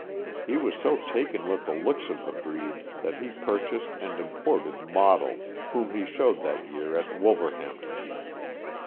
He was so taken with the looks of the breed that he purchased and imported Model, whom he showed that year at Wolver hampton.